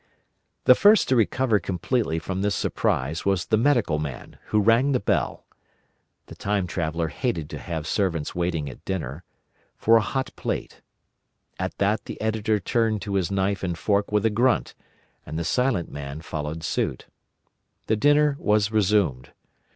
The first to recover completely from this surprise was the Medical Man, who rang the bell—the Time Traveller hated to have servants waiting at dinner—for a hot plate. At that the Editor turned to his knife and fork with a grunt, and the Silent Man followed suit. The dinner was resumed.